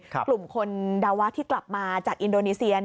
กลุ่มคนดาวะที่กลับมาจากอินโดนีเซีย